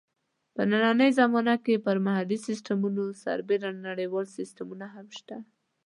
په نننۍ زمانه کې پر محلي سیسټمونو سربېره نړیوال سیسټمونه هم شته.